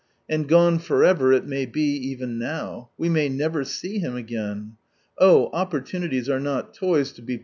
And gone for ever it may We may never see him again. Oh opportunities are not toys to be Tr.